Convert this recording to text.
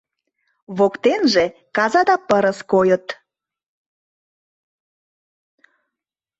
Воктенже каза да пырыс койыт.